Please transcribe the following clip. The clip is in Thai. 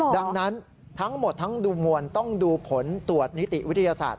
ดังนั้นทั้งหมดทั้งดูมวลต้องดูผลตรวจนิติวิทยาศาสตร์